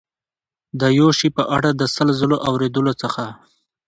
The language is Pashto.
د یو شي په اړه د سل ځلو اورېدلو څخه.